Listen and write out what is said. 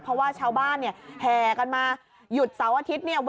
เพราะว่าชาวบ้านแผ่กันมาหยุดเสาร์อาทิตย์